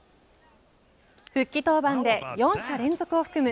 復帰登板で４者連続を含む